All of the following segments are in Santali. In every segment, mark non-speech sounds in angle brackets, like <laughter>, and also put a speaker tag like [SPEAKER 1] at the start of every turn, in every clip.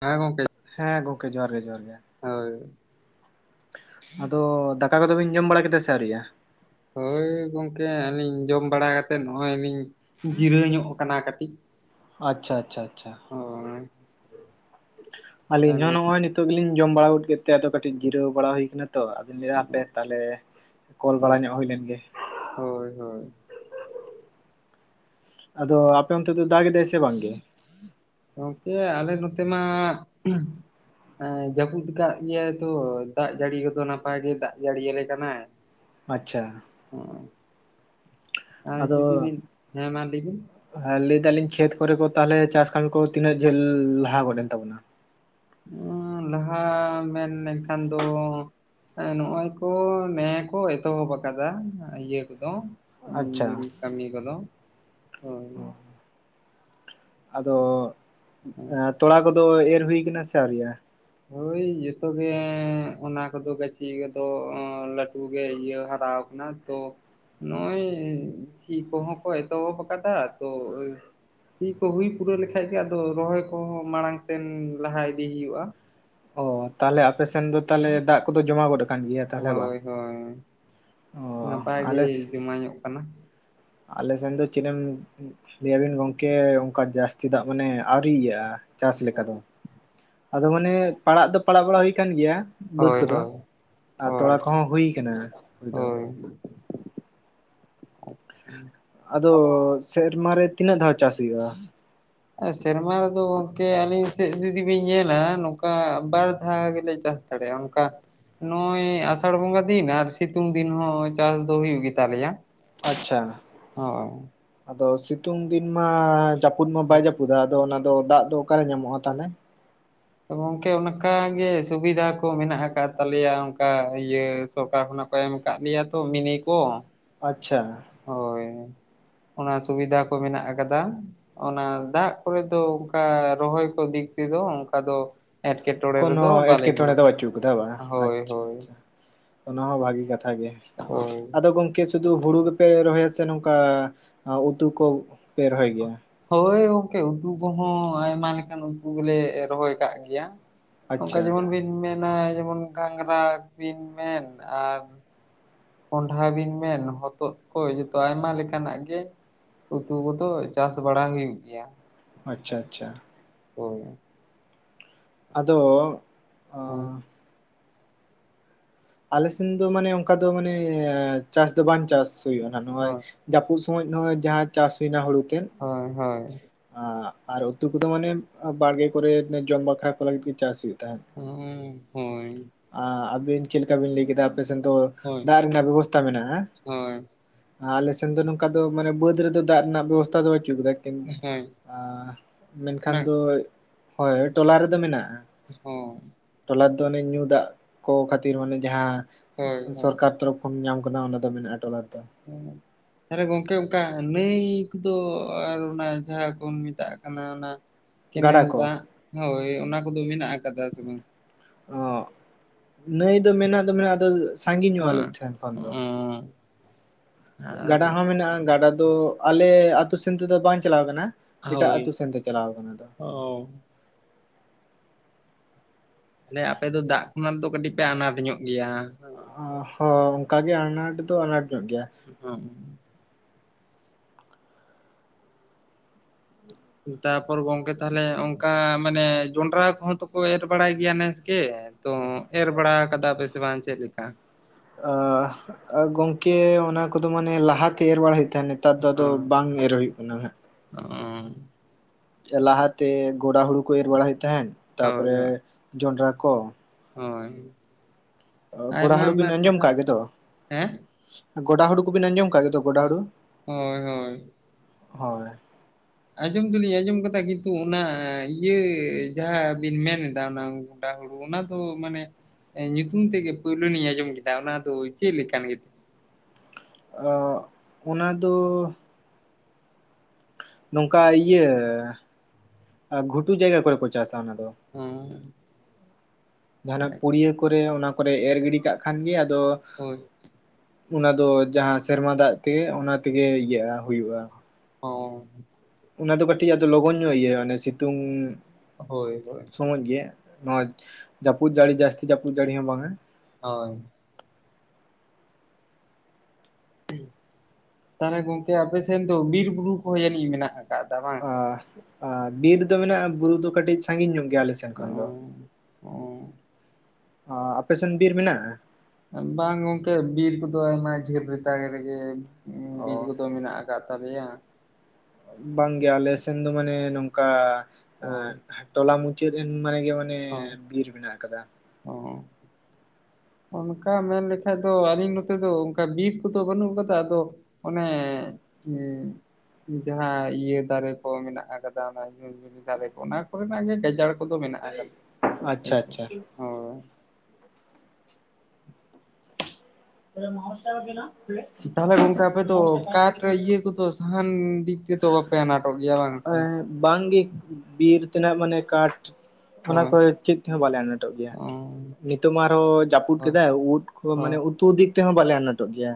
[SPEAKER 1] ᱦᱮᱸ ᱜᱚᱝᱠᱮ
[SPEAKER 2] ᱦᱮᱸ ᱜᱚᱝᱠᱮ ᱡᱚᱦᱟᱨ ᱜᱮ ᱡᱚᱦᱟᱨ ᱜᱮ!
[SPEAKER 1] ᱦᱳᱭ᱾
[SPEAKER 2] ᱟᱫᱚ ᱫᱟᱠᱟ ᱠᱚᱫᱚ ᱵᱤᱱ ᱡᱚᱢ ᱵᱟᱲᱟ ᱠᱮᱫᱟ ᱥᱮ ᱟᱹᱣᱨᱤᱭᱟᱜᱼᱟ?
[SPEAKER 1] ᱦᱳᱭ ᱜᱚᱝᱠᱮ ᱟᱹᱞᱤᱧ ᱡᱚᱢ ᱵᱟᱲᱟ ᱠᱟᱛᱮᱫ ᱱᱚᱜᱼᱚᱭ ᱞᱤᱧ ᱡᱤᱨᱟᱹᱣ ᱧᱚᱜ ᱠᱟᱱᱟ ᱠᱟᱹᱴᱤᱡ᱾
[SPEAKER 2] ᱟᱪᱪᱷᱟ ᱟᱪᱷᱟ ᱟᱪᱷᱟ᱾
[SPEAKER 1] ᱦᱚᱭ᱾
[SPEAKER 2] ᱟᱞᱤᱧ ᱦᱚᱸ ᱱᱚᱜᱼᱚᱭ ᱱᱤᱛᱚᱜ ᱜᱮᱞᱤᱧ ᱡᱚᱢ ᱵᱟᱲᱟ ᱜᱚᱫ ᱠᱮᱫ ᱛᱮ ᱟᱫᱚ ᱠᱟᱹᱴᱤᱡ ᱡᱤᱨᱟᱹᱣ ᱵᱟᱲᱟ ᱦᱩᱭ ᱠᱟᱱᱟ ᱛᱚ᱾ <inaudible> ᱦᱟᱯᱮ ᱛᱟᱦᱚᱞᱮ ᱠᱚᱞ ᱵᱟᱲᱟ ᱧᱚᱜ ᱦᱩᱭᱞᱮᱱ ᱜᱮ᱾
[SPEAKER 1] ᱦᱳᱭ ᱦᱳᱭ᱾
[SPEAKER 2] ᱟᱫᱚ ᱟᱯᱮ ᱚᱱᱮᱛ ᱫᱚ ᱫᱟᱜᱽ ᱮᱫᱟᱭ ᱥᱮ ᱵᱟᱝ ᱜᱮ?
[SPEAKER 1] ᱜᱚᱝᱠᱮ ᱟᱞᱮ ᱱᱚᱛᱮ ᱢᱟ <inaudible> ᱮ ᱡᱟᱹᱯᱩᱫ ᱟᱠᱟᱫ ᱜᱮᱭᱟᱭ ᱛᱚ ᱫᱟᱜ ᱡᱟᱹᱲᱤ ᱠᱚᱫᱚ ᱱᱟᱯᱟᱭ ᱜᱮ ᱫᱟᱜ ᱡᱟᱹᱲᱤᱭᱟᱞᱮ ᱠᱟᱱᱟ᱾
[SPEAKER 2] ᱟᱪᱪᱷᱟ,
[SPEAKER 1] <inaudible> ᱟᱨ ᱡᱩᱫᱤ ᱵᱤᱱ, ᱦᱮᱸ ᱢᱟ ᱞᱟᱹᱭ ᱵᱤᱱ᱾
[SPEAKER 2] ᱦᱮᱸ ᱞᱟᱹᱭ ᱫᱟᱞᱤᱧ ᱠᱷᱮᱛ ᱠᱚᱨᱮ ᱠᱚ ᱛᱟᱦᱚᱞᱮ ᱪᱟᱥ ᱠᱟᱢᱤ ᱠᱚ ᱛᱤᱱᱟᱹᱜ ᱡᱷᱟᱹᱞ ᱞᱟᱦᱟ ᱜᱚᱫ ᱮᱱ ᱛᱟᱵᱚᱱᱟ?
[SPEAKER 1] ᱚᱸ ᱞᱟᱦᱟ ᱢᱮᱱ ᱮᱱᱠᱷᱟᱱ ᱫᱚ᱾ ᱱᱚᱜ-ᱚᱭ ᱠᱚ ᱱᱮ ᱠᱚ ᱮᱛᱚᱦᱚᱵ ᱟᱠᱟᱫᱟ ᱤᱭᱟᱹ ᱠᱚᱫᱚ᱾
[SPEAKER 2] ᱟᱪᱪᱷᱟ
[SPEAKER 1] <unintelligible> ᱠᱟᱹᱢᱤ ᱠᱚᱫᱚ᱾ ᱦᱳᱭ
[SPEAKER 2] ᱚ, ᱟᱫᱚ ᱮᱸ ᱛᱚᱲᱟ ᱠᱚᱫᱚ ᱮᱨ ᱦᱩᱭ ᱠᱟᱱᱟ ᱥᱮ ᱟᱹᱣᱨᱤᱭᱟᱜᱼᱟ?
[SPEAKER 1] ᱦᱳᱭ ᱡᱚᱛᱚ ᱜᱮᱸᱻ ᱚᱱᱟ ᱠᱚᱫᱚ ᱜᱟᱹᱪᱷᱤ ᱠᱚᱫᱚ ᱞᱟᱹᱴᱩ ᱜᱮ ᱤᱭᱟᱹ ᱦᱟᱨᱟᱣ ᱟᱠᱟᱱᱟ᱾
[SPEAKER 2] ‍ <inaudible>
[SPEAKER 1] ᱱᱚᱸᱜᱼᱚᱭ ᱥᱤ ᱠᱚᱦᱚᱸ ᱠᱚ ᱮᱛᱚᱦᱚᱵ ᱟᱠᱟᱫᱟ ᱛᱚ ᱥᱤ ᱠᱚ ᱦᱩᱭ ᱯᱩᱨᱟᱹᱣ ᱞᱮᱠᱷᱟᱡ ᱜᱮ ᱟᱫᱚ ᱨᱚᱦᱚᱭ ᱠᱚᱦᱚᱸ ᱢᱟᱬᱟᱝ ᱥᱮᱱ ᱞᱟᱦᱟ ᱤᱫᱤᱭ ᱦᱩᱭᱩᱜᱼᱟ ᱾
[SPEAKER 2] ᱚ ᱛᱟᱦᱚᱞᱮ ᱟᱯᱮ ᱥᱮᱱ ᱫᱚ ᱛᱟᱦᱚᱞᱮ ᱫᱟᱜ ᱠᱚᱫᱚ ᱡᱚᱢᱟ ᱜᱚᱫ ᱟᱠᱟᱱ ᱜᱮᱭᱟ ᱛᱟᱦᱚᱞᱮ ᱵᱟᱝ?
[SPEAKER 1] ᱦᱳᱭ ᱦᱳᱭ,
[SPEAKER 2] ᱚ
[SPEAKER 1] ᱱᱟᱯᱟᱭ ᱜᱮ
[SPEAKER 2] ᱟᱞᱮ
[SPEAKER 1] ᱡᱚᱢᱟ ᱧᱚᱜ ᱠᱟᱱᱟ ᱾
[SPEAKER 2] ᱟᱞᱮ ᱥᱮᱱ ᱫᱚ ᱪᱮᱱᱮᱢ ᱞᱟᱹᱭᱟᱵᱤᱱ ᱜᱚᱝᱠᱮ, ᱚᱱᱠᱟ ᱡᱟᱹᱥᱛᱤ ᱫᱟᱜ ᱢᱟᱱᱮ ᱟᱹᱣᱨᱤᱭᱟᱜᱼᱟ᱾ ᱪᱟᱥ ᱞᱮᱠᱟ
[SPEAKER 1] ᱦᱳᱭ
[SPEAKER 2] ᱫᱚ, ᱟᱫᱚ ᱢᱟᱱᱮ ᱯᱟᱲᱟᱜ ᱫᱚ ᱯᱟᱲᱟᱜ ᱵᱟᱲᱟ ᱦᱩᱭ ᱟᱠᱟᱱ ᱜᱮᱭᱟ᱾ ᱵᱟᱹᱫᱽ
[SPEAKER 1] ᱦᱳᱭ
[SPEAKER 2] ᱠᱚᱫᱚ
[SPEAKER 1] ᱦᱳᱭ
[SPEAKER 2] ᱟᱨ
[SPEAKER 1] ᱦᱳᱭ
[SPEAKER 2] ᱛᱚᱲᱟ ᱠᱚᱦᱚᱸ ᱦᱩᱭ ᱠᱟᱱᱟ ᱦᱩᱭ ᱫᱚ᱾
[SPEAKER 1] <inaudible> ᱟᱪᱪᱷᱟ ᱾
[SPEAKER 2] ᱟᱫᱚ ᱥᱮᱨᱢᱟ ᱨᱮ ᱛᱤᱱᱟᱹᱜ ᱫᱷᱟᱣ ᱪᱟᱥ ᱦᱩᱭᱩᱜᱼᱟ?
[SPEAKER 1] ᱥᱮᱨᱢᱟ ᱨᱮᱫᱚ ᱜᱚᱝᱠᱮ ᱟᱹᱞᱤᱧ ᱥᱮᱫ ᱡᱩᱫᱤ ᱵᱤᱱ ᱧᱮᱞᱟ ᱱᱚᱝᱠᱟ ᱵᱟᱨ ᱫᱷᱟᱣ ᱜᱮᱞᱮ ᱪᱟᱥ <unintelligible> ᱚᱱᱠᱟ᱾ ᱱᱚᱸᱜᱼᱚᱭ ᱟᱥᱟᱲ ᱵᱚᱸᱜᱟ ᱫᱤᱱ ᱟᱨ ᱥᱤᱛᱩᱝ ᱫᱤᱱ ᱦᱚᱸ ᱪᱟᱥ ᱫᱚ ᱦᱩᱭᱩᱜ ᱜᱮ ᱛᱟᱞᱮᱭᱟ᱾
[SPEAKER 2] ᱟᱪᱪᱷᱟ ᱟᱫᱚ ᱥᱤ ᱛᱩᱝ ᱫᱤᱱ ᱢᱟ ᱡᱟᱹᱯᱩᱫ ᱢᱟ ᱵᱟᱭ ᱡᱟᱹᱯᱩᱫᱟ, ᱟᱫᱚ ᱚᱱᱟ ᱫᱚ ᱫᱟᱜ ᱫᱚ ᱚᱠᱟᱨᱮ ᱧᱟᱢᱚᱜᱼᱟ ᱛᱟᱦᱚᱞᱮ?
[SPEAKER 1] ᱜᱚᱝᱠᱮ ᱚᱱᱠᱟ ᱜᱮ ᱥᱩᱵᱤᱫᱟ ᱠᱚ ᱢᱮᱱᱟᱜ ᱠᱟᱜ ᱛᱟᱞᱮᱭᱟ ᱚᱱᱠᱟ ᱤᱭᱟᱹ ᱥᱚᱨᱠᱟᱨ ᱠᱷᱚᱱᱟᱜ ᱠᱚ ᱮᱢ ᱠᱟᱫ ᱞᱮᱭᱟ ᱛᱚ ᱢᱤᱱᱤ ᱠᱚ ᱾
[SPEAKER 2] ᱟᱪᱪᱷᱟ᱾
[SPEAKER 1] ᱦᱳᱭ ᱚᱱᱟ ᱥᱩᱵᱤᱫᱷᱟ ᱠᱚ ᱢᱮᱱᱟᱜ ᱟᱠᱟᱫᱟ᱾ ᱚᱱᱟ ᱫᱟᱜ ᱠᱚᱨᱮ ᱫᱚ ᱚᱱᱠᱟ ᱨᱚᱦᱚᱭ ᱠᱚ ᱫᱤᱠ ᱛᱮ ᱫᱚ ᱚᱱᱠᱟ ᱫᱚ ᱮᱴᱠᱮᱴᱚ
[SPEAKER 2] ᱠᱳᱱᱚ ᱮᱴᱠᱮᱴᱚᱬᱮ ᱫᱚ ᱵᱟᱹᱪᱩᱜ ᱠᱟᱫᱟ ᱵᱟ,
[SPEAKER 1] ᱦᱳᱭ
[SPEAKER 2] ᱟᱪᱪᱷᱟ
[SPEAKER 1] ᱦᱳᱭ
[SPEAKER 2] ᱟᱪᱪᱷᱟ᱾ ᱚᱱᱟ ᱦᱚᱸ ᱵᱷᱟᱜᱤ ᱠᱟᱛᱷᱟ ᱜᱮ,
[SPEAKER 1] ᱦᱳᱭ
[SPEAKER 2] ᱟᱫᱚ ᱜᱚᱝ ᱠᱮ ᱥᱩᱫᱷᱩ ᱦᱩᱲᱩ ᱜᱮᱯᱮ ᱨᱚᱦᱚᱭᱟ ᱥᱮ ᱱᱚᱝᱠᱟ ᱩᱛᱩ ᱠᱚ ᱯᱮ ᱨᱚᱦᱚᱭ ᱜᱮᱭᱟ?
[SPEAKER 1] ᱦᱳᱭ ᱜᱚᱝᱠᱮ ᱩᱛᱩ ᱠᱚᱦᱚᱸ ᱟᱭᱢᱟ ᱞᱮᱠᱟᱱ ᱩᱛᱩ ᱜᱮᱞᱮ ᱨᱚᱦᱚᱭ ᱠᱟᱜ ᱜᱮᱭᱟ᱾ ᱚᱱᱠᱟ
[SPEAKER 2] ᱟᱪᱪᱷᱟ
[SPEAKER 1] ᱡᱮᱢᱚᱱ ᱵᱤᱱ ᱢᱮᱱᱟ ᱡᱮᱢᱚᱱ ᱜᱷᱟᱝᱜᱽᱨᱟ ᱵᱤᱱ ᱢᱮᱱ ᱟᱨ ᱠᱚᱸᱰᱷᱟ ᱵᱤᱱ ᱢᱮᱱ ᱦᱚᱛᱚᱫ ᱠᱚ ᱡᱚᱛᱚ ᱟᱭᱢᱟ ᱞᱮᱠᱟᱱᱟᱜ ᱜᱮ ᱩᱛᱩ ᱠᱚᱫᱚ ᱪᱟᱥ ᱵᱟᱲᱟ ᱦᱩᱭᱩᱜ ᱜᱮᱭᱟ᱾
[SPEAKER 2] ᱟᱪᱪᱷᱟ ᱟᱪᱪᱷᱟ᱾
[SPEAKER 1] ᱦᱳᱭ᱾
[SPEAKER 2] ᱟᱫᱚ
[SPEAKER 1] ᱦᱮᱸ
[SPEAKER 2] ᱟᱞᱮ ᱥᱮᱱ ᱫᱚ ᱢᱟᱱᱮ ᱚᱱᱠᱟ ᱫᱚ ᱢᱟᱱᱮ ᱪᱟᱥ ᱫᱚ ᱵᱟᱝ ᱪᱟᱥ ᱦᱩᱭᱩᱜᱼᱟ ᱱᱟᱦᱟᱜ ᱱᱚᱜᱼᱚᱭ
[SPEAKER 1] ᱦᱳᱭ
[SPEAKER 2] ᱡᱟᱹᱯᱩᱫ ᱥᱚᱢᱚᱭ ᱱᱚᱸᱜ-ᱚᱭ ᱡᱟᱦᱟᱸ ᱪᱟᱥ ᱦᱩᱭᱱᱟ ᱦᱩᱲᱩ ᱛᱮᱫ
[SPEAKER 1] ᱦᱳᱭ ᱦᱳᱭ᱾
[SPEAKER 2] ᱟᱨ ᱩᱛᱩ ᱠᱚᱫᱚ ᱢᱟᱱᱮ ᱵᱟᱲᱜᱮ ᱠᱚᱨᱮ ᱡᱚᱢ ᱵᱟᱠᱷᱨᱟ ᱠᱚ ᱞᱟᱹᱜᱤᱫ ᱜᱮ ᱪᱟᱥ ᱦᱩᱭᱩᱜ ᱛᱟᱦᱮᱸᱫ ᱾
[SPEAKER 1] ᱦᱩᱸᱻ ᱦᱩ᱾
[SPEAKER 2] ᱟ ᱟᱹᱵᱤᱱ ᱪᱮᱫ ᱞᱮᱠᱟ ᱵᱤᱱ ᱞᱟᱹᱭ ᱠᱮᱫᱟ ᱟᱯᱮ ᱥᱮᱱ ᱫᱚ?
[SPEAKER 1] ᱦᱳᱭ
[SPEAKER 2] ᱫᱟᱜ ᱨᱮᱱᱟᱜ ᱵᱮᱵᱚᱥᱛᱟ ᱢᱮᱱᱟᱜᱼᱟ᱾
[SPEAKER 1] ᱦᱳᱭ
[SPEAKER 2] ᱟᱞᱮ ᱥᱮᱱ ᱫᱚ ᱱᱚᱝᱠᱟ ᱫᱚ ᱢᱟᱱᱮ ᱵᱟᱹᱫᱽ ᱨᱮᱫᱚ ᱫᱟᱜ ᱨᱮᱱᱟᱜ ᱵᱮᱵᱚᱥᱛᱟ ᱫᱚ ᱵᱟᱹᱪᱩᱜ ᱠᱟᱫᱟ᱾
[SPEAKER 1] ᱦᱳᱭ
[SPEAKER 2] ᱟᱻ ᱢᱮᱱᱠᱷᱟᱱ
[SPEAKER 1] ᱱᱟᱜ
[SPEAKER 2] ᱫᱚ ᱦᱳᱭ ᱴᱚᱞᱟ ᱨᱮᱫᱚ ᱢᱮᱱᱟᱜᱼᱟ᱾
[SPEAKER 1] ᱦᱚᱸ᱾
[SPEAKER 2] ᱴᱚᱞᱟ ᱨᱮᱫᱚ ᱚᱱᱮ ᱧᱩ ᱫᱟᱜ ᱠᱚ ᱠᱷᱟᱹᱛᱤᱨ ᱚᱱᱮ ᱡᱟᱦᱟᱸ
[SPEAKER 1] ᱦᱳᱭ ᱦᱳᱭ
[SPEAKER 2] ᱥᱚᱨᱠᱟᱨ ᱛᱚᱨᱚᱯᱷ ᱠᱷᱚᱱ ᱧᱟᱢ ᱠᱟᱱᱟ ᱚᱱᱟ ᱫᱚ ᱢᱮᱱᱟᱜᱼᱟ ᱴᱚᱞᱟ ᱨᱮᱫᱚ᱾
[SPEAKER 1] <inaudible> <unintelligible> ᱜᱚᱝᱠᱮ ᱚᱝᱠᱟ ᱱᱟᱹᱭ ᱠᱚᱫᱚ ᱟᱨ ᱚᱱᱟ ᱡᱟᱦᱟᱸ ᱠᱚ ᱵᱚᱱ ᱢᱮᱛᱟᱜ ᱠᱟᱱᱟ ᱚᱱᱟ ᱠᱮᱱᱮᱞ
[SPEAKER 2] ᱜᱟᱰᱟ ᱠᱚ
[SPEAKER 1] ᱫᱟᱜ ᱦᱳᱭ, ᱚᱱᱟ ᱠᱚᱫᱚ ᱢᱮᱱᱟᱜ ᱟᱠᱟᱫᱟ ᱥᱮ ᱵᱟᱝ?
[SPEAKER 2] ᱚ, ᱱᱟᱹᱭ ᱫᱚ ᱢᱮᱱᱟᱜ ᱫᱚ ᱢᱮᱱᱟᱜ ᱟᱫᱚ ᱥᱟᱺᱜᱤᱧ ᱧᱚᱜ ᱟᱞᱮ ᱴᱷᱮᱱ ᱠᱷᱚᱱ ᱫᱚ᱾
[SPEAKER 1] ᱦᱮᱸ ᱟᱨ
[SPEAKER 2] ᱜᱟᱰᱟ ᱦᱚᱸ ᱢᱮᱱᱟᱜᱼᱟ ᱜᱟᱰᱟ ᱫᱚ ᱟᱞᱮ ᱟᱛᱩ‌ ᱥᱮᱱ ᱛᱮᱫᱚ ᱵᱟᱝ ᱪᱟᱞᱟᱣ ᱠᱟᱱᱟ, ᱮᱴᱟᱜ
[SPEAKER 1] ᱦᱳᱭ
[SPEAKER 2] ᱟᱛᱩ ᱥᱮᱱ ᱛᱮ ᱪᱟᱞᱟᱣ ᱟᱠᱟᱱᱟ ᱚᱱᱟ ᱫᱚ᱾
[SPEAKER 1] ᱚ ᱛᱟᱦᱟᱞᱮ ᱟᱯᱮ ᱫᱚ ᱫᱟᱜ ᱠᱷᱚᱱᱟᱜ ᱫᱚ ᱠᱟᱹᱴᱤᱡ ᱯᱮ ᱟᱱᱟᱴ ᱧᱚᱜ ᱜᱮᱭᱟ? <inaudible>
[SPEAKER 2] ᱚ ᱦᱚᱸ ᱚᱝᱠᱟ ᱜᱮ ᱟᱱᱟᱴ ᱫᱚ ᱟᱱᱟᱴ ᱧᱚᱜ ᱜᱮᱭᱟ᱾
[SPEAKER 1] <inaudible> ᱛᱟᱯᱚᱨ ᱜᱚᱝᱠᱮ ᱛᱟᱦᱚᱞᱮ ᱚᱝᱠᱟ ᱢᱟᱱᱮ ᱡᱚᱱᱰᱨᱟ ᱠᱚᱦᱚᱸ ᱛᱚᱯᱮ ᱮᱨ ᱵᱟᱲᱟᱭ ᱜᱮᱭᱟ ᱱᱮᱥ ᱜᱮ, ᱛᱚ ᱮᱨ ᱵᱟᱲᱟ ᱠᱟᱫᱟ ᱯᱮ ᱥᱮ ᱵᱟᱝ ᱪᱮᱫ ᱞᱮᱠᱟ?
[SPEAKER 2] ᱟᱦ, ᱟᱹ ᱜᱚᱝᱠᱮ ᱚᱱᱟ ᱠᱚᱫᱚ ᱢᱟᱱᱮ ᱞᱟᱦᱟᱛᱮ ᱮᱨ ᱵᱟᱲᱟ ᱦᱩᱭᱩᱜ ᱛᱟᱦᱮᱸᱫ ᱱᱮᱛᱟᱨ ᱫᱚ ᱟᱫᱚ ᱵᱟᱝ ᱮᱨ ᱦᱩᱭᱩᱜ ᱠᱟᱱᱟ ᱦᱟᱸᱜ᱾‌
[SPEAKER 1] ᱚᱸᱻ᱾
[SPEAKER 2] ᱞᱟᱦᱟᱛᱮ ᱜᱚᱰᱟ ᱦᱩᱲᱩ ᱠᱚ ᱮᱨ ᱵᱟᱲᱟ ᱦᱩᱭᱩᱜ ᱛᱟᱦᱮᱸᱱ, ᱛᱟᱯᱚᱨᱮ ᱡᱚᱸᱰᱨᱟ ᱠᱚ᱾
[SPEAKER 1] ᱦᱚᱭ᱾
[SPEAKER 2] ᱜᱚᱲᱟ ᱦᱩᱲᱩ ᱵᱤᱱ ᱟᱸᱡᱚᱢ ᱠᱟᱜ ᱜᱮ ᱛᱚ?
[SPEAKER 1] ᱦᱮᱸ
[SPEAKER 2] ᱜᱚᱰᱟ ᱦᱩᱲᱩ ᱠᱚᱵᱤᱱ ᱟᱸᱡᱚᱢ ᱠᱟᱜ ᱜᱮᱛᱚ ᱜᱚᱰᱟ ᱦᱩᱲᱩ?
[SPEAKER 1] ᱦᱳᱭ ᱦᱳᱭ
[SPEAKER 2] ᱦᱳᱭ᱾
[SPEAKER 1] ᱟᱸᱡᱚᱢ ᱫᱚᱞᱤᱧ ᱟᱸᱡᱚᱢ ᱠᱟᱫᱟ ᱠᱤᱱᱛᱩ ᱚᱱᱟ ᱤᱭᱟᱹ ᱡᱟᱦᱟᱸ ᱵᱤᱱ ᱢᱮᱱ ᱮᱫᱟ ᱚᱱᱟ ᱰᱟ ᱦᱩᱲᱩ ᱚᱱᱟ ᱫᱚ ᱢᱟᱱᱮ, ᱮᱸ ᱧᱩᱛᱩᱢ ᱛᱮᱜ ᱜᱮ ᱯᱳᱭᱞᱳ ᱞᱤᱧ ᱟᱸᱡᱚᱢ ᱠᱮᱫᱟ ᱚᱱᱟ ᱫᱚ ᱪᱮᱫ ᱞᱮᱠᱟᱱ ᱜᱮᱛᱮ?
[SPEAKER 2] ᱟᱸᱜ ᱚᱱᱟ ᱫᱚ ᱱᱚᱝᱠᱟ ᱤᱭᱟᱹ, ᱟᱹ ᱜᱷᱩᱴᱩ ᱡᱟᱭᱜᱟ ᱠᱚᱨᱮ ᱠᱚ ᱪᱟᱥᱟ ᱚᱱᱟ ᱫᱚ᱾ ᱡᱟᱦᱟᱸᱱᱟᱜ ᱯᱩᱲᱤᱭᱟᱹ ᱠᱚᱨᱮ ᱚᱱᱟ ᱠᱚᱨᱮ ᱮᱨ ᱜᱤᱰᱤ ᱠᱟᱜ ᱠᱷᱟᱱ ᱜᱮ ᱟᱫᱚ
[SPEAKER 1] ᱦᱳᱭ᱾
[SPEAKER 2] ᱚᱱᱟ ᱫᱚ ᱡᱟᱦᱟᱸ ᱥᱮᱨᱢᱟ ᱫᱟᱜ ᱛᱮᱜᱮ ᱚᱱᱟ ᱛᱮᱜᱮ ᱤᱭᱟᱹᱜ-ᱟ ᱦᱩᱭᱩᱜᱼᱟ᱾
[SPEAKER 1] ᱚᱻ᱾
[SPEAKER 2] ᱚᱱᱟ ᱫᱚ ᱠᱟᱹᱴᱤᱡ ᱟᱫᱚ ᱞᱚᱜᱚᱱ ᱧᱚᱜ ᱤᱭᱟᱹᱜᱼᱟ ᱢᱚᱱᱮ ᱥᱤᱛᱩᱝ
[SPEAKER 1] ᱦᱳᱭ ᱦᱳᱭ᱾
[SPEAKER 2] ᱥᱚᱢᱚᱡᱽ ᱜᱮᱭᱟ, ᱱᱚᱣᱟ ᱡᱟᱹᱯᱩᱫ ᱡᱟᱹᱲᱤ ᱡᱟᱹᱥᱛᱤ ᱡᱟᱹᱯᱩᱫ ᱡᱟᱹᱲᱤ ᱦᱚᱸ ᱵᱟᱝᱟ,
[SPEAKER 1] ᱦᱳᱭ᱾ ᱛᱟᱦᱚᱞᱮ ᱜᱚᱝᱠᱮ ᱟᱯᱮ ᱥᱮᱱ ᱫᱚ ᱵᱤᱨ ᱵᱩᱨᱩ ᱠᱚ ᱡᱟᱹᱱᱤᱡ ᱢᱮᱱᱟᱜ-ᱟ᱾
[SPEAKER 2] ᱟᱦ, ᱟᱸ ᱵᱤᱨ ᱫᱚ ᱢᱮᱱᱟᱜᱼᱟ ᱵᱩᱨᱩ ᱫᱚ ᱠᱟᱹᱴᱤᱡ ᱥᱟᱺᱜᱤᱧ ᱧᱚᱜ ᱜᱮᱭᱟ ᱟᱞᱮ ᱥᱮᱱ ᱠᱷᱚᱱ ᱫᱚ᱾
[SPEAKER 1] ᱚᱻ᱾
[SPEAKER 2] ᱚ ᱟᱯᱮ ᱥᱮᱱ ᱵᱤᱨ ᱢᱮᱱᱟᱜᱼᱟ?
[SPEAKER 1] ᱵᱟᱝ ᱜᱚᱝᱠᱮ ᱵᱤᱨ ᱠᱚᱫᱚ ᱟᱭᱢᱟ ᱡᱷᱟᱹᱞ ᱨᱮ <inaudible> ᱨᱮᱜᱮ ᱩᱸᱻ
[SPEAKER 2] ᱚ
[SPEAKER 1] ᱵᱤᱨ ᱠᱚᱫᱚ ᱢᱮᱱᱟᱜ ᱟᱠᱟᱫ ᱛᱟᱞᱮᱭᱟ᱾
[SPEAKER 2] ᱵᱟᱝ ᱜᱮ ᱟᱞᱮ ᱥᱮᱱ ᱫᱚ ᱢᱟᱱᱮ ᱱᱚᱝᱠᱟ,
[SPEAKER 1] ᱦᱳᱭ
[SPEAKER 2] ᱟᱸ ᱴᱚᱞᱟ ᱢᱩᱪᱟᱹᱫ ᱮᱱ ᱢᱟᱱᱮ ᱜᱮ ᱢᱟ ᱱᱮᱻ
[SPEAKER 1] ᱦᱳᱭ
[SPEAKER 2] ᱵᱤᱨ ᱢᱮᱱᱟᱜ ᱟᱠᱟᱫᱟ᱾
[SPEAKER 1] ᱚ᱾ ᱚᱱᱠᱟ ᱢᱮᱱ ᱞᱮᱠᱷᱟᱡ ᱫᱚ ᱟᱹᱞᱤᱧ ᱱᱚᱛᱮ ᱫᱚ ᱚᱝᱠᱟ ᱵᱤᱨ ᱠᱚᱫᱚ ᱵᱟᱹᱱᱩᱜ ᱠᱟᱫᱟ ᱟᱫᱚ ᱚᱱᱮ, ᱡᱟᱦᱟᱸ ᱤᱭᱟᱹ ᱫᱟᱨᱮ ᱠᱚ ᱢᱮᱱᱟᱜ ᱟᱠᱟᱫᱟ ᱚᱱᱟ <inaudible> ᱫᱷᱤᱨᱤ ᱫᱟᱨᱮ ᱠᱚ ᱚᱱᱟ ᱠᱚᱨᱮᱱᱟᱜ ᱜᱮ ᱜᱟᱡᱟᱲ ᱠᱚᱫᱚ ᱢᱮᱱᱟᱜ ᱟᱠᱟᱫᱟ
[SPEAKER 2] ᱟᱪᱪᱷᱟ
[SPEAKER 1] ᱦᱮᱸᱥᱮ᱾
[SPEAKER 2] ᱟᱪᱪᱷᱟ
[SPEAKER 1] ᱦᱳᱭ
[SPEAKER 2] <unintelligible>
[SPEAKER 1] ᱛᱟᱦᱚᱞᱮ ᱜᱚᱝᱠᱮ ᱟᱯᱮ ᱫᱚ ᱠᱟᱴ ᱤᱭᱟᱹ ᱠᱚᱫᱚ ᱥᱟᱦᱟᱱ ᱫᱤᱠ ᱛᱮᱫᱚ ᱵᱟᱯᱮ ᱟᱱᱟᱴᱚᱜ ᱜᱮᱭᱟ ᱵᱟᱝ ᱥᱮ᱾
[SPEAKER 2] ᱵᱟᱝᱜᱮ ᱵᱤᱨ ᱛᱮᱱᱟᱜ ᱢᱟᱱᱮ ᱠᱟᱴ ᱚᱱᱟ
[SPEAKER 1] ᱦᱳᱭ
[SPEAKER 2] ᱠᱚ ᱪᱮᱫ ᱛᱮᱦᱚᱸ ᱵᱟᱞᱮ ᱟᱱᱟᱴᱚᱜ ᱜᱮᱭᱟ᱾ ᱱᱤᱛᱚᱜ ᱢᱟ ᱟᱨᱦᱚᱸ ᱡᱟᱹᱯᱩᱫ
[SPEAKER 1] ᱦᱳᱭ
[SPEAKER 2] ᱠᱮᱫᱟᱭ ᱩᱫ ᱢᱟᱱᱮ
[SPEAKER 1] ᱦᱳᱭ
[SPEAKER 2] ᱩᱫ᱾ ᱛᱩᱫᱤᱠ ᱛᱮᱦᱚᱸ ᱵᱟᱞᱮ ᱟᱱᱟᱴᱚᱜ ᱜᱮᱭᱟ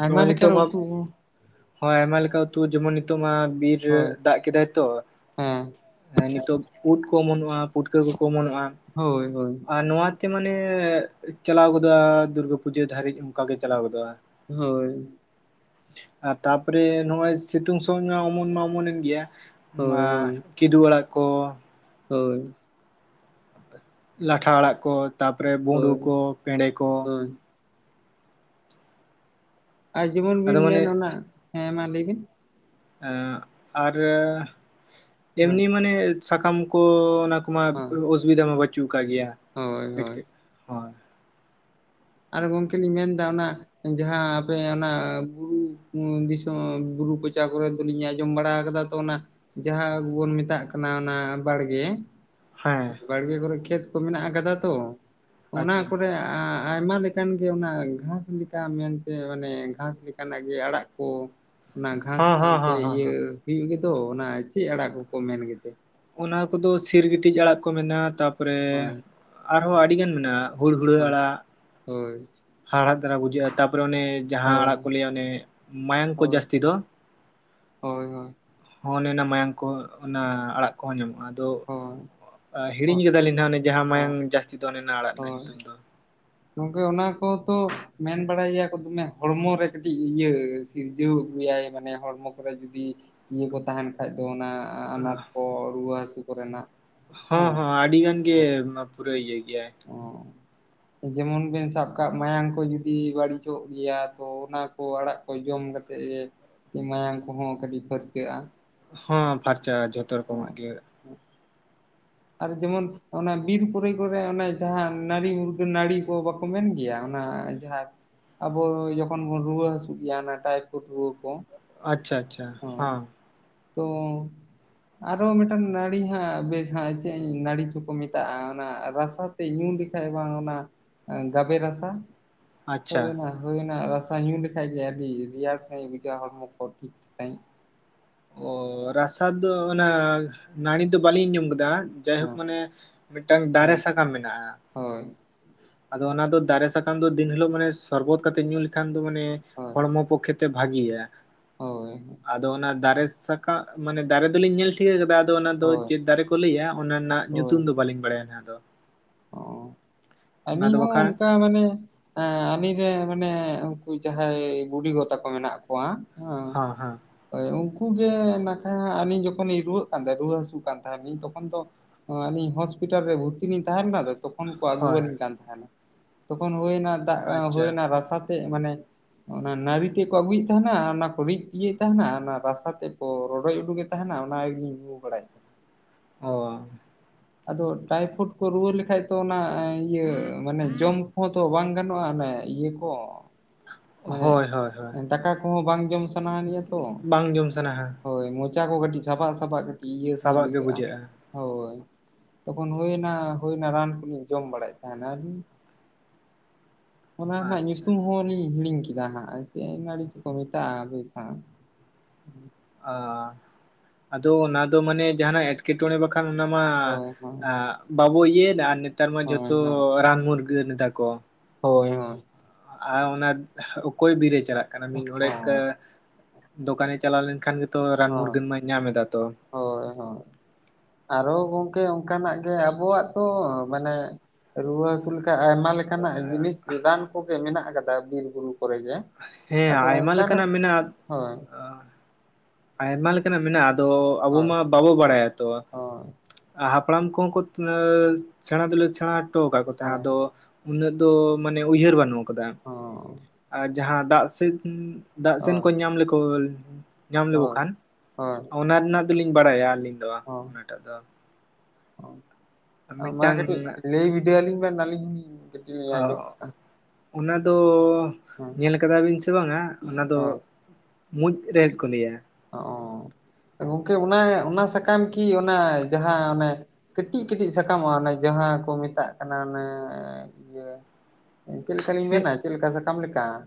[SPEAKER 1] ᱟᱭᱢᱟ
[SPEAKER 2] ᱱᱚᱜᱼᱚᱭ ᱱᱤᱛᱚᱜ
[SPEAKER 1] ᱞᱮᱠᱟᱱ
[SPEAKER 2] ᱢᱟ᱾
[SPEAKER 1] ᱩᱛᱩ
[SPEAKER 2] ᱦᱚᱸ ᱟᱭᱢᱟ ᱞᱮᱠᱟ ᱩᱛᱩ ᱡᱮᱢᱚᱱ ᱱᱤᱛᱚᱜ ᱢᱟ ᱵᱤᱨ
[SPEAKER 1] ᱦᱳᱭ
[SPEAKER 2] ᱫᱟᱜ ᱠᱮᱫᱟᱭ ᱛᱚ᱾
[SPEAKER 1] ᱦᱮᱸ
[SPEAKER 2] ᱦᱮᱸ ᱱᱤᱛᱚᱜ ᱩᱫ ᱠᱚ ᱚᱢᱚᱱᱚᱜᱼᱟ ᱯᱩᱴᱠᱟᱹ ᱠᱚᱠᱚ ᱚᱢᱚᱱᱚᱜᱼᱟ᱾
[SPEAKER 1] ᱦᱳᱭ ᱦᱳᱭ
[SPEAKER 2] ᱟᱨ ᱱᱚᱣᱟᱛᱮ ᱢᱟᱱᱮ ᱪᱟᱞᱟᱣ ᱜᱚᱫᱚᱜᱼᱟ ᱫᱩᱨᱜᱟᱹ ᱯᱩᱡᱟᱹ ᱫᱷᱟᱹᱨᱤᱡ ᱚᱱᱠᱟ ᱜᱮ ᱪᱟᱞᱟᱣ ᱜᱚᱫᱚᱜᱼᱟ᱾
[SPEAKER 1] ᱦᱳᱭ
[SPEAKER 2] ᱟᱨ ᱛᱟᱨᱯᱚᱨᱮ ᱱᱚᱜᱼᱚᱭ ᱥᱤᱛᱩᱝ ᱥᱚᱢᱚᱭ ᱢᱟ ᱚᱢᱚᱱ ᱢᱟ ᱚᱢᱚᱱᱮᱱ ᱜᱮᱭᱟ᱾ ᱢᱟ
[SPEAKER 1] ᱦᱳᱭ ᱦᱳᱭ
[SPEAKER 2] ᱠᱤᱫᱩ ᱟᱲᱟᱜ ᱠᱚ᱾
[SPEAKER 1] ᱦᱳᱭ
[SPEAKER 2] ᱞᱟᱴᱷᱟ ᱟᱲᱟᱜ ᱠᱚ ᱛᱟᱯᱚᱨᱮ ᱵᱩᱸᱰᱩ
[SPEAKER 1] ᱦᱳᱭ
[SPEAKER 2] ᱠᱚ ᱯᱮᱰᱮ ᱠᱚ
[SPEAKER 1] ᱦᱳᱭ ᱟᱨ ᱡᱮᱢᱚᱱ
[SPEAKER 2] ᱟᱫᱚ
[SPEAKER 1] ᱵᱤᱱ
[SPEAKER 2] ᱢᱟᱱᱮ
[SPEAKER 1] ᱢᱮᱱ ᱚᱱᱟ ᱦᱮᱸ ᱢᱟ ᱞᱟᱹᱭᱵᱤᱱ᱾
[SPEAKER 2] ᱦᱮᱸ ᱟᱨ
[SPEAKER 1] ᱦᱳᱭ
[SPEAKER 2] ᱮᱢᱱᱤ ᱢᱟᱱᱮ ᱥᱟᱠᱟᱢ ᱠᱚ ᱚᱱᱟ᱾ ᱢᱟ
[SPEAKER 1] ᱦᱳᱭ
[SPEAKER 2] ᱚᱥᱩᱵᱤᱫᱟ ᱢᱟ ᱵᱟᱹᱪᱩᱜ ᱟᱠᱟᱫ ᱜᱮᱭᱟ
[SPEAKER 1] ᱦᱳᱭ
[SPEAKER 2] ᱮᱴᱠ
[SPEAKER 1] ᱦᱳᱭ
[SPEAKER 2] ᱦᱳᱭ᱾
[SPEAKER 1] ᱟᱨ ᱜᱚᱝᱠᱮ ᱞᱤᱧ ᱢᱮᱱᱫᱟ ᱚᱱᱟ᱾ ᱡᱟᱦᱟᱸ ᱟᱯᱮ ᱚᱱᱟ ᱵᱩᱨᱩ ᱫᱤᱥᱚᱢ ᱵᱩᱨᱩ ᱠᱚᱪᱟ ᱠᱚᱨᱮ ᱟᱫᱚ ᱞᱤᱧ ᱟᱸᱡᱚᱢ ᱵᱟᱲᱟ ᱠᱟᱫᱟ ᱛᱚ ᱚᱱᱟ ᱡᱟᱦᱟᱸ ᱵᱚᱱ ᱢᱮᱛᱟᱜ ᱠᱟᱱᱟ ᱚᱱᱟ ᱵᱟᱲᱜᱮ᱾
[SPEAKER 2] ᱦᱮᱸ
[SPEAKER 1] ᱵᱟᱲᱜᱮ ᱠᱚᱨᱮ ᱠᱷᱮᱛ ᱠᱚ ᱢᱮᱱᱟᱜ ᱠᱟᱫᱟ ᱛᱚ ᱚᱱᱟ
[SPEAKER 2] ᱟᱪᱪᱷᱟ
[SPEAKER 1] ᱠᱚᱨᱮ <inaudible> ᱟᱭᱢᱟ ᱞᱮᱠᱟᱱ ᱜᱮ ᱚᱱᱟ ᱜᱷᱟᱥ ᱞᱮᱠᱟ ᱢᱮᱱᱛᱮ ᱢᱟᱱᱮ ᱜᱷᱟᱥ ᱞᱮᱠᱟᱱᱟᱜ ᱜᱮ ᱟᱲᱟᱜ ᱠᱚ ᱚᱱᱟ ᱜᱷᱟᱥ
[SPEAKER 2] ᱦᱚᱸ ᱦᱚᱸ
[SPEAKER 1] ᱥᱟᱶᱛᱮ
[SPEAKER 2] ᱦᱚᱸ ᱦᱚᱸ
[SPEAKER 1] ᱤᱭᱟᱹ
[SPEAKER 2] ᱦᱚᱸ
[SPEAKER 1] ᱦᱩᱭᱩᱜ ᱜᱮᱛᱚ ᱚᱱᱟ ᱪᱮᱫ ᱟᱲᱟᱜ ᱠᱚᱠᱚ ᱢᱮᱱ ᱜᱮᱛᱮ᱾
[SPEAKER 2] ᱚᱱᱟ ᱠᱚᱫᱚ ᱥᱤᱨᱜᱴᱤᱡ ᱟᱲᱟᱜ ᱠᱚ ᱢᱮᱱᱟᱜᱼᱟ ᱛᱟᱯᱚᱨᱮ
[SPEAKER 1] ᱦᱳᱭ
[SPEAKER 2] ᱟᱨᱦᱚᱸ ᱟᱹᱰᱤ ᱜᱟᱱ ᱢᱮᱱᱟᱜᱼᱟ᱾ ᱦᱩᱲ ᱦᱩᱲᱟᱹ
[SPEAKER 1] ᱦᱳᱭ
[SPEAKER 2] ᱟᱲᱟᱜ᱾
[SPEAKER 1] ᱦᱳᱭ
[SPEAKER 2] ᱦᱟᱲᱦᱟᱫᱽ ᱫᱷᱟᱨᱟ ᱵᱩᱡᱷᱟᱹᱜᱼᱟ ᱛᱟᱯᱚᱨᱮ ᱚᱱᱮ ᱡᱟᱦᱟᱸ
[SPEAKER 1] ᱦᱳᱭ
[SPEAKER 2] ᱟᱲᱟᱜ ᱠᱚ ᱞᱟᱹᱭᱟ ᱚᱱᱮ ᱢᱟᱭᱟᱝ ᱠᱚ
[SPEAKER 1] ᱦᱳᱭ
[SPEAKER 2] ᱡᱟᱹᱥᱛᱤ ᱫᱚ?
[SPEAKER 1] ᱦᱳᱭ ᱦᱳᱭᱻ
[SPEAKER 2] ᱦᱚᱸ ᱚᱱᱮ ᱚᱱᱟ ᱢᱟᱭᱟᱝ ᱠᱚ ᱚᱱᱟ ᱟᱲᱟᱜ ᱠᱚᱦᱚᱸ ᱧᱟᱢᱚᱜᱼᱟ᱾ ᱟᱫᱚ
[SPEAKER 1] ᱦᱳᱭ
[SPEAKER 2] ᱦᱤᱲᱤᱧ ᱠᱟᱫᱟᱞᱤᱧ ᱱᱟᱦᱟᱜ ᱚᱱᱮ ᱡᱟᱦᱟᱸ ᱢᱟᱭᱟᱝ
[SPEAKER 1] ᱦᱳᱭ
[SPEAKER 2] ᱡᱟᱥᱛᱤ ᱫᱚ ᱚᱱᱮ ᱚᱱᱟ ᱟᱲᱟᱜ ᱨᱮᱱᱟᱜ
[SPEAKER 1] ᱦᱳᱭ
[SPEAKER 2] ᱧᱩᱛᱩᱢ ᱫᱚ᱾
[SPEAKER 1] ᱜᱚᱝᱠᱮ ᱚᱱᱟ ᱠᱚᱛᱚ ᱢᱮᱱ ᱵᱟᱲᱟᱭ ᱜᱮᱭᱟ ᱠᱚ ᱫᱚᱢᱮ ᱦᱚᱲᱢᱚ ᱨᱮ ᱠᱟᱹᱴᱤᱡ ᱤᱭᱟᱹᱼᱼ ᱥᱤᱨᱡᱟᱹᱣ ᱜᱮᱭᱟᱭ ᱢᱟᱱᱮ ᱦᱚᱲᱢᱚ ᱠᱚᱨᱮ ᱡᱚᱫᱤ ᱤᱭᱟᱹ ᱠᱚ ᱛᱟᱦᱮᱱᱼᱼ ᱠᱷᱟᱡ ᱫᱚ ᱚᱱᱟ ᱟᱱᱟᱴ ᱠᱚ ᱨᱩᱣᱟᱹ ᱦᱟᱥᱩ ᱠᱚᱨᱮᱱᱟᱜ᱾
[SPEAKER 2] ᱦᱚᱸ
[SPEAKER 1] ᱦᱮᱸ
[SPEAKER 2] ᱦᱚ ᱟᱹᱰᱤ ᱜᱟᱱ ᱜᱮ ᱯᱩᱨᱟᱹᱭ ᱤᱭᱟᱹ ᱜᱮᱭᱟᱭᱻ
[SPEAKER 1] ᱡᱮᱢᱚᱱ ᱵᱮᱱ ᱥᱟᱵ ᱠᱟᱜ ᱢᱟᱭᱟᱝ ᱠᱚ ᱡᱩᱫᱤ ᱵᱟᱹᱲᱤᱡᱚᱜ ᱜᱮᱭᱟ ᱛᱚ ᱚᱱᱟ᱾ ᱠᱚ ᱟᱲᱟᱜ ᱠᱚ ᱡᱚᱢ ᱠᱟᱛᱮᱫ ᱜᱮ ᱢᱟᱭᱟᱢ ᱠᱚᱦᱚᱸ ᱠᱟᱹᱴᱤᱡ ᱯᱷᱟᱹᱨᱪᱟᱹᱜᱼᱟ᱾
[SPEAKER 2] ᱦᱚ ᱯᱷᱟᱨᱪᱟ ᱟ ᱡᱷᱚᱛᱚ ᱨᱚᱠᱚᱢᱟᱜ ᱜᱮᱼᱼ
[SPEAKER 1] ᱟᱨ ᱡᱮᱢᱚᱱ ᱚᱱᱟ ᱵᱤᱨ ᱯᱚᱨᱮ ᱠᱚᱨᱮ ᱚᱱᱮ ᱡᱟᱦᱟᱸ ᱱᱟᱹᱲᱤ ᱢᱩᱨᱜᱟᱹᱱ ᱱᱟᱹᱲᱤ ᱠᱚ ᱵᱟᱠᱚ ᱢᱮᱱ ᱜᱮᱭᱟ ᱚᱱᱟᱼᱼ ᱡᱟᱦᱟᱸ ᱟᱵᱚ ᱡᱚᱠᱷᱚᱱ ᱵᱚᱱ ᱨᱩᱣᱟᱹ ᱦᱟᱹᱥᱩᱜ ᱜᱮᱭᱟ ᱦᱟᱱᱮ ᱴᱟᱭᱯᱷᱚᱰ ᱨᱩᱣᱟᱹ ᱠᱚᱼᱼ
[SPEAKER 2] ᱟᱪᱪᱷᱟ ᱟᱪᱪᱷᱟ ᱦᱚᱸ
[SPEAKER 1] ᱛᱚ ᱟᱨᱚ ᱦᱚᱸ ᱢᱤᱫᱴᱟᱝ ᱱᱟᱹᱲᱤ ᱦᱟᱸᱜ ᱵᱮᱥ ᱦᱟᱸᱜᱼᱼ ᱪᱮᱫ ᱱᱟᱹᱲᱤ ᱪᱚᱠᱚ ᱢᱮᱛᱟᱜᱼᱟ ᱚᱱᱟ ᱨᱟᱥᱟ ᱛᱮᱡ ᱧᱩ ᱞᱮᱠᱷᱟᱡ ᱵᱟᱝ ᱚᱱᱟᱼᱼ ᱜᱟᱵᱮ ᱨᱟᱥᱟ
[SPEAKER 2] ᱟᱪᱪᱷᱟ
[SPEAKER 1] ᱦᱳᱭ ᱚᱱᱟ᱾ ᱦᱩᱭ ᱚᱱᱟ ᱨᱟᱥᱟ ᱧᱩ ᱞᱮᱠᱷᱟᱡ ᱜᱮ ᱟᱹᱰᱤ ᱨᱮᱭᱟᱲ ᱥᱟᱺᱦᱤᱡ ᱵᱩᱡᱷᱟᱹᱜᱼᱟ ᱦᱚᱲᱢᱚ ᱠᱚ ᱴᱷᱤᱠ ᱥᱟᱺᱦᱤᱡ᱾
[SPEAKER 2] ᱚ ᱨᱟᱥᱟ ᱫᱚ ᱚᱱᱟ ᱱᱟᱲᱤ ᱫᱚ ᱵᱟᱹᱞᱤᱧ ᱟᱡᱚᱢ ᱠᱟᱫᱟ᱾ ᱡᱟᱭᱦᱳᱠ
[SPEAKER 1] ᱦᱮᱸ
[SPEAKER 2] ᱢᱟᱱᱮ ᱢᱤᱫᱴᱟᱝ ᱫᱟᱨᱮ
[SPEAKER 1] ᱦᱳᱭ
[SPEAKER 2] ᱥᱟᱠᱟᱢ ᱢᱮᱱᱟᱜᱼᱟ᱾
[SPEAKER 1] ᱦᱳᱭ
[SPEAKER 2] ᱟᱫᱚ ᱚᱱᱟ ᱫᱚ ᱫᱟᱨᱮ ᱥᱟᱠᱟᱢ ᱫᱚ ᱫᱤᱱ ᱦᱤᱞᱳᱜ ᱢᱟᱱᱮ ᱥᱚᱨᱵᱚᱛ ᱠᱟᱛᱮᱜ ᱧᱩ ᱞᱮᱠᱷᱟᱱ ᱫᱚ ᱢᱟᱱᱮ
[SPEAKER 1] ᱦᱳᱭ
[SPEAKER 2] ᱦᱚᱲᱢᱚ ᱯᱚᱠᱠᱷᱮ ᱛᱮ ᱵᱷᱟᱜᱤᱭᱟ᱾
[SPEAKER 1] ᱦᱳᱭ
[SPEAKER 2] ᱟᱫᱚ ᱚᱱᱟ ᱫᱟᱨᱮ ᱥᱟᱠᱟᱢ ᱢᱟᱱᱮ ᱫᱟᱨᱮ ᱫᱚᱞᱤᱧ ᱧᱮᱞ ᱴᱷᱤᱠᱟᱹ ᱠᱟᱫᱟ᱾ ᱚᱱᱟ ᱫᱚ
[SPEAKER 1] ᱦᱳᱭ
[SPEAKER 2] ᱪᱮᱫ ᱫᱟᱨᱮ ᱠᱚ ᱞᱟᱹᱭᱟ ᱚᱱᱟ ᱨᱮᱱᱟᱜ
[SPEAKER 1] ᱦᱳᱭ
[SPEAKER 2] ᱧᱩᱛᱩᱢ ᱫᱚ ᱵᱟᱹᱞᱤᱧ ᱵᱟᱲᱟᱭᱟ ᱱᱟᱦᱟᱜ ᱫᱚ᱾
[SPEAKER 1] ᱚ
[SPEAKER 2] ᱚᱱᱟ
[SPEAKER 1] ᱟᱞᱤᱧ
[SPEAKER 2] ᱫᱚ
[SPEAKER 1] ᱦᱚᱸ
[SPEAKER 2] ᱵᱟᱠᱷᱟᱱ
[SPEAKER 1] ᱚᱱᱠᱟ ᱢᱟᱱᱮ ᱮᱸ ᱟᱞᱤᱧ ᱨᱮᱱ ᱢᱟᱱᱮ ᱩᱱᱠᱩ ᱡᱟᱸᱦᱟᱸᱭ ᱵᱩᱰᱤᱜᱚ ᱛᱟᱠᱚ ᱢᱮᱱᱟᱜ ᱠᱚᱣᱟ᱾ ᱦᱚᱸ ᱦᱳᱭ ᱩᱱᱠᱩ ᱜᱮ ᱱᱟᱠᱷᱟᱡ ᱟᱹᱞᱤᱧ ᱡᱚᱠᱷᱚᱱ ᱞᱤᱧ ᱨᱩᱣᱟᱹᱜ ᱠᱟᱱ ᱛᱟᱦᱮᱱᱟ ᱨᱩᱣᱟᱹ ᱦᱟᱹᱥᱩᱜ ᱠᱟᱱ ᱛᱟᱦᱮ ᱞᱤᱧ ᱛᱚᱠᱷᱚᱱ ᱫᱚ᱾ ᱦᱚ ᱟᱞᱤᱧ ᱦᱚᱥᱯᱤᱴᱟᱞ ᱨᱮ ᱵᱷᱚᱨᱛᱤ ᱞᱤᱧ ᱛᱟᱦᱮᱱ ᱠᱟᱱ ᱛᱚᱠᱷᱚᱱ ᱠᱚ ᱟᱹᱜᱩ
[SPEAKER 2] ᱦᱳᱭ
[SPEAKER 1] ᱟᱹᱞᱤᱧ ᱠᱟᱱ ᱛᱟᱦᱮᱱᱟ, ᱛᱚᱠᱷᱚᱱ ᱦᱳᱭᱱᱟ ᱫᱟᱜ
[SPEAKER 2] ᱟᱪᱪᱷᱟ
[SPEAKER 1] ᱦᱩᱭᱱᱟ ᱨᱟᱥᱟ ᱪᱮᱫ ᱢᱟᱱᱮ ᱚᱱᱟ ᱱᱟᱲᱤ ᱛᱮᱫ ᱠᱚ ᱟᱹᱜᱩᱭᱮᱫ ᱛᱟᱦᱮᱱᱟ ᱚᱱᱟ ᱠᱚ ᱨᱤᱫ ᱤᱭᱟᱹᱭᱮᱫ ᱛᱟᱦᱮᱱᱟ ᱚᱱᱟ ᱨᱟᱥᱟ ᱛᱮᱫ ᱠᱚ ᱨᱚᱰᱚᱡ ᱩᱰᱩᱜᱮᱫ ᱛᱟᱦᱮᱱᱟ ᱚᱱᱟᱜᱤᱞᱤᱧ ᱧᱩ ᱵᱟᱲᱟᱭᱮᱫ ᱛᱟ
[SPEAKER 2] ᱚ
[SPEAKER 1] ᱟᱫᱚ ᱴᱟᱭᱯᱷᱚᱰ ᱠᱚ ᱨᱩᱣᱟᱹ ᱞᱮᱠᱷᱟᱡ ᱛᱚ ᱚᱱᱟ ᱤᱭᱟᱹ ᱢᱟᱱᱮ ᱡᱚᱢ ᱠᱚᱦᱚᱸ ᱛᱚ ᱵᱟᱝ ᱜᱟᱱᱚᱜᱼᱟ ᱚᱱᱮ ᱤᱭᱟᱹ ᱠᱚ
[SPEAKER 2] ᱚ
[SPEAKER 1] ᱢᱟᱱᱮ ᱫᱟᱠᱟ ᱠᱚᱦᱚᱸ ᱵᱟᱝ ᱡᱚᱢ ᱥᱟᱱᱟ ᱟᱱᱤᱡᱟ ᱛᱚ,
[SPEAKER 2] ᱵᱟᱝ ᱡᱚᱢ ᱥᱟᱱᱟᱣᱟ
[SPEAKER 1] ᱦᱳᱭ ᱢᱚᱡᱽ ᱢᱚᱪᱟ ᱠᱚ ᱠᱟᱹᱴᱤᱡ ᱥᱟᱵᱟᱜ ᱥᱟᱵᱟᱜ ᱠᱟᱹᱴᱤᱡ ᱤᱭᱟᱹ ᱥᱟᱺᱦᱤᱡ
[SPEAKER 2] ᱥᱟᱵᱟᱜ ᱜᱮ
[SPEAKER 1] ᱵᱩᱡᱷᱟᱹᱜᱼᱟ ᱦᱳᱭ᱾ ᱛᱚᱠᱷᱚᱱ ᱦᱩᱭᱱᱟ ᱦᱩᱭᱱᱟ ᱨᱟᱱ ᱠᱚᱞᱤᱧ ᱡᱚᱢ ᱵᱟᱲᱟᱭᱮᱫ ᱛᱟᱦᱮᱱᱟ᱾ ᱚᱱᱟ ᱨᱮᱱᱟᱜ
[SPEAKER 2] ᱟᱪᱪᱷᱟ
[SPEAKER 1] ᱧᱩᱛᱩᱢ ᱦᱚᱸᱞᱤᱧ ᱦᱤᱲᱤᱧ ᱠᱮᱫᱟ ᱦᱟᱸᱜ ᱪᱮᱫ ᱱᱟᱹᱲᱤ ᱪᱚᱠᱚ ᱢᱮᱛᱟᱜᱼᱟ ᱵᱮᱥ ᱦᱟᱜ᱾
[SPEAKER 2] ᱚ ᱟᱫᱚ ᱚᱱᱟ ᱫᱚ ᱢᱟᱱᱮ ᱡᱟᱦᱟᱱᱟᱜ ᱮᱴᱠᱮᱴᱚᱬᱮ ᱵᱟᱠᱷᱟᱱ ᱚᱱᱟ ᱢᱟ
[SPEAKER 1] ᱦᱳᱭ
[SPEAKER 2] ᱵᱟᱵᱚ ᱤᱭᱟᱹᱭᱫᱟ ᱟᱨ ᱱᱮᱛᱟᱨ ᱢᱟ
[SPEAKER 1] ᱦᱳᱭ
[SPEAKER 2] ᱡᱚᱛᱚ ᱨᱟᱱ ᱢᱩᱨᱜᱟᱹᱱ ᱜᱟᱹᱱ ᱫᱟ ᱠᱚ
[SPEAKER 1] ᱦᱳᱭ ᱦᱳᱭ
[SPEAKER 2] ᱟᱨ ᱚᱱᱮ ᱚᱠᱚᱭ ᱵᱤᱨ ᱮ ᱪᱟᱞᱟᱜ ᱠᱟᱱᱟ ᱢᱤᱫ ᱰᱚᱰᱮᱠ
[SPEAKER 1] ᱦᱳᱭ ᱦᱳᱭ ᱦᱳᱭ
[SPEAKER 2] ᱫᱚᱠᱟᱱᱮ ᱪᱟᱞᱟᱣ ᱞᱮᱱᱠᱷᱟᱱ ᱜᱮᱛᱚ ᱨᱟᱱ
[SPEAKER 1] ᱦᱳᱭ
[SPEAKER 2] ᱢᱩᱨᱜᱟᱹᱱ ᱢᱟᱭ ᱧᱟᱢ ᱮᱫᱟ ᱛᱚ᱾
[SPEAKER 1] ᱦᱳᱭ ᱦᱳᱭ ᱟᱨᱚ ᱜᱚᱝᱠᱮ ᱚᱱᱠᱟᱱᱟᱜ ᱜᱮ ᱟᱵᱚᱣᱟᱜ ᱛᱚ ᱢᱟᱱᱮ ᱨᱩᱣᱟᱹ ᱚᱱᱠᱟ ᱟᱭᱢᱟ ᱞᱮᱠᱟᱱᱟᱜ ᱡᱤᱱᱤᱥ ᱨᱟᱱ ᱠᱚᱜᱮ ᱢᱮᱱᱟᱜ ᱠᱟᱫᱟ ᱵᱤᱨ ᱵᱩᱨᱩ ᱠᱚᱨᱮ ᱜᱮ᱾
[SPEAKER 2] ᱦᱮᱸ
[SPEAKER 1] ᱟᱫᱚ
[SPEAKER 2] ᱟᱭᱢᱟ
[SPEAKER 1] ᱚᱱᱠᱟᱱᱟᱜ
[SPEAKER 2] ᱞᱮᱠᱟᱱᱟᱜ
[SPEAKER 1] ᱦᱳᱭ
[SPEAKER 2] ᱢᱮᱱᱟᱜ-ᱟ᱾ ᱟᱭᱢᱟ ᱞᱮᱠᱟᱱᱟᱜ ᱢᱮᱱᱟᱜᱼᱟ, ᱟᱫᱚ ᱟᱵᱚ ᱢᱟ ᱵᱟᱵᱚ ᱵᱟᱲᱟᱭᱟ ᱛᱚ᱾
[SPEAKER 1] ᱚ
[SPEAKER 2] ᱟᱨ ᱦᱟᱯᱲᱟᱢ ᱠᱚᱦᱚᱸ ᱠᱚ ᱥᱮᱬᱟ ᱫᱚᱞᱮ ᱥᱮᱬᱟ ᱦᱚᱴᱚ ᱟᱠᱟᱫ ᱠᱚ ᱛᱟᱦᱮᱸᱫ
[SPEAKER 1] ᱦᱳᱭ
[SPEAKER 2] ᱟᱫᱚ, ᱩᱱᱟᱹᱜ ᱫᱚ ᱢᱟᱱᱮ ᱩᱭᱦᱟᱹᱨ ᱵᱟᱱᱩᱜ ᱟᱠᱟᱫᱟ᱾
[SPEAKER 1] ᱚ
[SPEAKER 2] ᱡᱟᱸᱦᱟᱸ ᱫᱟᱜ ᱥᱮᱱ ᱫᱟᱜ ᱥᱮᱱ ᱠᱚ ᱧᱟᱢ ᱞᱮᱠᱚ ᱧᱟᱢ ᱞᱮᱠᱚ
[SPEAKER 1] ᱦᱳᱭ
[SPEAKER 2] ᱠᱷᱟᱱ
[SPEAKER 1] ᱦᱳᱭ
[SPEAKER 2] ᱚᱱᱟ ᱨᱮᱱᱟᱜ ᱫᱚᱞᱤᱧ ᱵᱟᱲᱟᱭᱟ ᱟᱹᱞᱤᱧ ᱫᱚ ᱚᱱᱟᱴᱟᱜ ᱫᱚ᱾
[SPEAKER 1] ᱚ ᱢᱟ
[SPEAKER 2] ᱢᱤᱫᱴᱟᱝ
[SPEAKER 1] ᱠᱟᱹᱴᱤᱡ ᱞᱟᱹᱭ ᱵᱤᱰᱟᱹ ᱟᱹᱞᱤᱧ ᱵᱮᱱ ᱟᱹᱞᱤᱧ ᱠᱟᱹᱴᱤᱡ ᱞᱤᱧ ᱟᱸᱡᱚᱢᱼᱟ᱾
[SPEAKER 2] ᱚᱱᱟ ᱫᱚ ᱧᱮᱞ ᱠᱟᱫᱟ ᱵᱤᱱ ᱥᱮ ᱵᱟᱝ-ᱟ ᱚᱱᱟ ᱫᱚ
[SPEAKER 1] ᱦᱳᱭ
[SPEAKER 2] ᱢᱩᱡᱽ ᱨᱮᱦᱮᱫ ᱠᱚ ᱞᱮᱭᱟ᱾
[SPEAKER 1] ᱚ ᱜᱚᱢᱠᱮ ᱚᱱᱟ ᱚᱱᱟ ᱥᱟᱠᱟᱢ ᱠᱤ ᱚᱱᱟ ᱡᱟᱦᱟᱸ ᱚᱱᱮ ᱠᱟᱹᱴᱤᱡ ᱠᱟᱹᱴᱤᱡ ᱥᱟᱠᱟᱢᱚᱜᱼᱟ ᱚᱱᱮ ᱡᱟᱦᱟᱸ ᱠᱚ ᱢᱮᱛᱟᱜ ᱠᱟᱱᱟ ᱚᱱᱮ ᱤᱭᱟᱹ ᱪᱮᱫ ᱞᱮᱠᱟᱞᱤᱧ
[SPEAKER 2] ᱦᱮᱸ
[SPEAKER 1] ᱢᱮᱱᱟ ᱪᱮᱫ ᱞᱮᱠᱟ ᱥᱟᱠᱟᱢ ᱞᱮᱠᱟ ᱾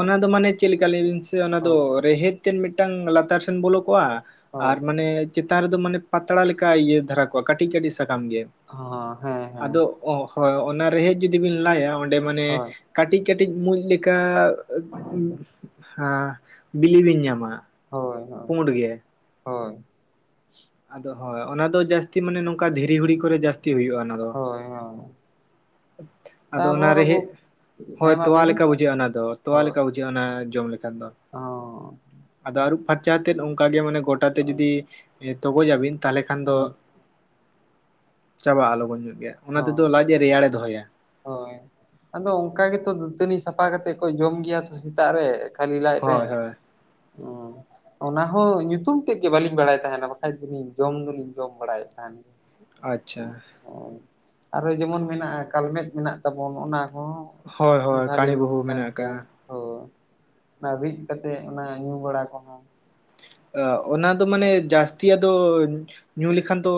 [SPEAKER 2] ᱚᱱᱟ ᱫᱚ ᱢᱟᱱᱮ ᱪᱮᱫ ᱞᱮᱠᱟ ᱞᱟᱹᱭ ᱵᱤᱱ ᱥᱮ ᱚᱱᱟ ᱫᱚ
[SPEAKER 1] ᱦᱳᱭ
[SPEAKER 2] ᱨᱮᱦᱮᱫ ᱛᱮᱫ ᱢᱤᱫᱴᱟᱱ ᱞᱟᱛᱟᱨ ᱥᱮᱱ ᱵᱚᱞᱚ ᱠᱚᱜᱼᱟ
[SPEAKER 1] ᱦᱳᱭ
[SPEAKER 2] ᱟᱨ ᱢᱟᱱᱮ ᱪᱮᱛᱟᱱ ᱨᱮᱫᱚ ᱢᱟᱱᱮ ᱯᱟᱛᱲᱟ ᱞᱮᱠᱟ ᱤᱭᱟᱹ ᱫᱷᱟᱨᱟ ᱠᱚᱜ-ᱟ ᱠᱟᱹᱴᱤᱡ ᱠᱟᱹᱴᱤᱡ ᱥᱟᱠᱟᱢ ᱜᱮ ᱾
[SPEAKER 1] ᱦ ᱦᱮᱸ ᱦᱮᱸ ᱾
[SPEAKER 2] ᱚ ᱦᱳᱭ ᱚᱱᱟ ᱨᱮᱦᱮᱫ ᱡᱩᱫᱤᱵᱤᱱ ᱞᱟᱭᱟ ᱚᱸᱰᱮ ᱢᱟᱱᱮ
[SPEAKER 1] ᱦᱳᱭ
[SPEAKER 2] ᱠᱟᱹᱴᱤᱡ ᱠᱟᱹᱴᱤᱡ ᱢᱩᱸᱡ ᱞᱮᱠᱟ ᱦᱮᱸ ᱵᱤᱞᱤᱵᱤᱱ ᱧᱟᱢᱟ ᱾
[SPEAKER 1] ᱦᱳᱭ ᱦᱳᱭ ᱦᱳᱭ ᱾
[SPEAKER 2] ᱟᱫᱚ ᱦᱳᱭ ᱚᱱᱟ ᱫᱚ ᱡᱟᱹᱥᱛᱤ ᱢᱟᱱᱮ ᱱᱚᱝᱠᱟ ᱫᱷᱤᱨᱤ ᱦᱩᱲᱤ ᱠᱚᱨᱮ ᱡᱟᱹᱥᱛᱤ ᱦᱩᱭᱩᱜᱼᱟ ᱚᱱᱟ ᱫᱚ ᱾
[SPEAKER 1] ᱦᱳᱭ ᱦᱮ ᱾
[SPEAKER 2] ᱟᱫᱚ ᱚᱱᱟ ᱨᱮᱦᱮᱫ ᱦᱳᱭ
[SPEAKER 1] ᱦᱮᱸ ᱢᱟ
[SPEAKER 2] ᱛᱚᱣᱟ
[SPEAKER 1] ᱞᱟᱹᱭ ᱵᱤᱱ
[SPEAKER 2] ᱞᱮᱠᱟ ᱵᱩᱡᱷᱟᱹᱜᱼᱟ, ᱚᱱᱟ ᱫᱚ ᱛᱚᱣᱟ ᱞᱮᱠᱟ ᱵᱩᱡᱷᱟᱹᱜᱼᱟ ᱾ ᱚᱱᱟ ᱡᱚᱢ ᱞᱮᱠᱷᱟᱱ ᱫᱚ ᱾
[SPEAKER 1] ᱚᱻ
[SPEAKER 2] ᱟᱫᱚ ᱟᱹᱨᱩᱵ ᱯᱷᱟᱨᱪᱟ ᱠᱟᱛᱮᱫ ᱚᱱᱠᱟᱜᱮ ᱢᱟᱱᱮ ᱜᱚᱴᱟᱛᱮ
[SPEAKER 1] ᱦᱳᱭ
[SPEAKER 2] ᱡᱩᱫᱤ ᱛᱚᱜᱚᱡᱟᱵᱤᱱ ᱛᱟᱦᱚᱞᱮ ᱠᱷᱟᱱ ᱫᱚ
[SPEAKER 1] ᱦᱳᱭ
[SPEAKER 2] ᱪᱟᱵᱟᱜᱼᱟ ᱞᱚᱜᱚᱱ ᱧᱚᱜ ᱜᱮ ᱚᱱᱟ ᱛᱮᱫᱚ ᱞᱟᱡ ᱮ ᱨᱮᱭᱟᱲᱮ ᱫᱚᱦᱚᱭᱟ ᱾
[SPEAKER 1] ᱦᱳᱭ ᱟᱫᱚ ᱚᱱᱠᱟ ᱜᱮᱛᱚ ᱫᱟᱹᱛᱟᱹᱱᱤ ᱥᱟᱯᱷᱟ ᱠᱟᱛᱮᱫ ᱠᱚ ᱡᱚᱢ ᱜᱮᱭᱟ ᱥᱮᱛᱟᱜ ᱨᱮ ᱾ ᱠᱷᱟᱞᱤ ᱞᱟᱡ ᱨᱮ,
[SPEAKER 2] ᱦᱳᱭ ᱦᱳᱭ
[SPEAKER 1] ᱦ ᱚᱱᱟ ᱦᱚᱸ ᱧᱩᱛᱩᱢ ᱛᱮᱫ ᱜᱮ ᱵᱟᱹᱞᱤᱧ ᱵᱟᱲᱟᱭ ᱛᱟᱦᱮᱱᱟ, ᱵᱟᱠᱷᱟᱡ ᱡᱚᱢ ᱫᱚᱞᱤᱧ ᱡᱚᱢ ᱫᱚᱞᱤᱧ ᱡᱚᱢ ᱵᱟᱲᱟᱭᱮᱫ ᱛᱟᱦᱮᱱ ᱜᱮ
[SPEAKER 2] ᱟᱪᱪᱷᱟ ᱾
[SPEAKER 1] ᱦᱳᱭ ᱟᱨᱚ ᱡᱮᱢᱚᱱ ᱢᱮᱱᱟᱜᱼᱟ ᱠᱟᱞᱢᱮᱫ ᱢᱮᱱᱟᱜ ᱛᱟᱵᱚᱱ ᱚᱱᱟ ᱦᱚᱸ ᱾
[SPEAKER 2] ᱦᱳᱭ ᱦᱳᱭ ᱠᱟᱹᱲᱤ ᱵᱟᱹᱦᱩ ᱢᱮᱱᱟᱜ ᱟᱠᱟᱜᱼᱟ ᱾
[SPEAKER 1] ᱚᱱᱟ ᱨᱤᱫ ᱠᱟᱛᱮᱜ ᱚᱱᱟ ᱧᱩ ᱵᱟᱲᱟ ᱠᱚᱦᱚᱸ
[SPEAKER 2] ᱚᱱᱟ ᱫᱚ ᱢᱟᱱᱮ ᱡᱟᱹᱥᱛ ᱟᱫᱚ ᱧᱩ ᱞᱮᱠᱷᱟᱱ ᱫᱚ